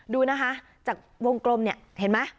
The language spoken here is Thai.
ดูนะคะจากวงกลมเนี่ยเห็นไหม